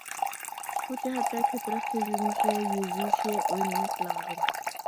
بۇ جەھەتتە كۆپرەك سۆزلىنىشى، يېزىلىشى، ئويلىنىشى لازىم.